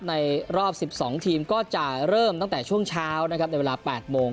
ในรอบ๑๒ทีมก็จะเริ่มตั้งแต่ช่วงเช้านะครับในเวลา๘โมง